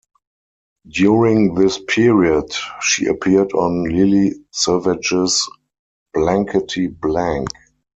During this period, she appeared on Lily Savage's Blankety Blank.